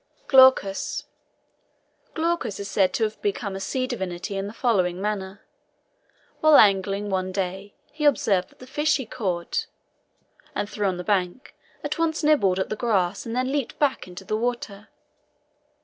GLAUCUS. Glaucus is said to have become a sea divinity in the following manner. While angling one day, he observed that the fish he caught and threw on the bank, at once nibbled at the grass and then leaped back into the water.